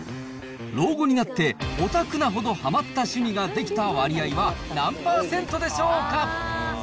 老後になってオタクなほどはまった趣味ができた割合は何％でしょうか。